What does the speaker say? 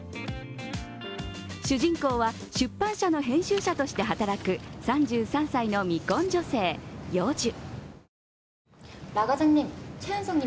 主人公は出版社の編集者として働く３３歳の未婚女性、ヨジュ。